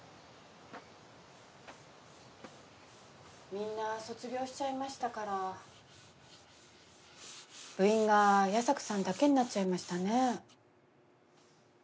・みんな卒業しちゃいましたから部員が矢差暮さんだけになっちゃいましたね。